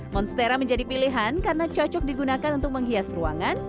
monstera menjadi pilihan karena cocok digunakan untuk menghias ruangan